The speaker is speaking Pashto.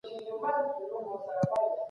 ډیپلوماټان څنګه د خبرو له لاري شخړي حلوي؟